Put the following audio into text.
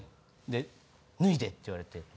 で「脱いで」って言われて。